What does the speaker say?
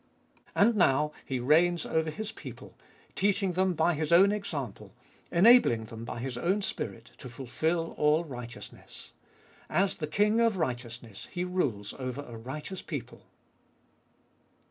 And now He reigns over His people, teaching them by His own example, enabling them by His own Spirit to fulfil all righteousness. As the King of Righteousness He rules over a righteous people.